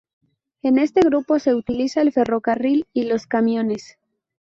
En este grupo se utiliza el ferrocarril y los camiones.